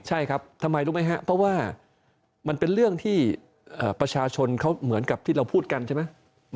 ใช่ครับทำไมรู้ไหมครับเพราะว่ามันเป็นเรื่องที่ประชาชนเขาเหมือนกับที่เราพูดกันใช่ไหม